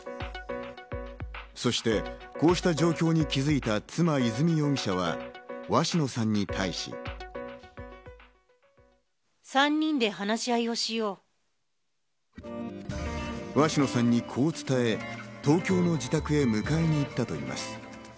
そして、こうした状況に気づいた妻・和美容疑者は鷲野さんに対し。鷲野さんにこう伝え、東京の自宅へ迎えに行ったといいます。